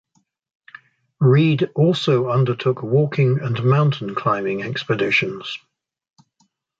Reed also undertook walking and mountain-climbing expeditions.